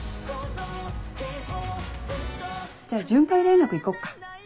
じゃあ巡回連絡行こっか。